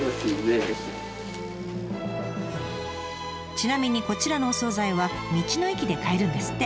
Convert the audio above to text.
ちなみにこちらのお総菜は道の駅で買えるんですって。